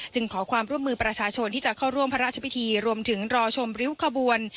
ขอความร่วมมือประชาชนที่จะเข้าร่วมพระราชพิธีรวมถึงรอชมริ้วขบวน